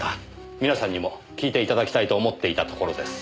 みなさんにも聞いて頂きたいと思っていたところです。